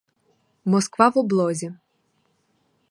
Москва — в облозі.